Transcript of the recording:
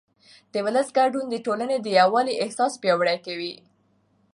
د ولس ګډون د ټولنې د یووالي احساس پیاوړی کوي